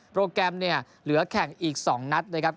โปรแกรมเนี่ยเหลือแข่งอีก๒นัดนะครับ